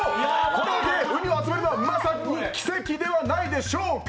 これだけの、うにを集めるのはまさに奇跡ではないでしょうか！